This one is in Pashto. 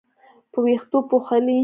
په وېښتو پوښلې